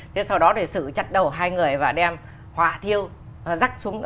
thế sau đó để xử chặt đầu hai người và đem hỏa thiêu rắc súng